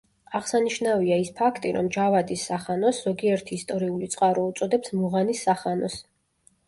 აღსანიშნავია, ის ფაქტი, რომ ჯავადის სახანოს, ზოგიერთი ისტორიული წყარო უწოდებს მუღანის სახანოს.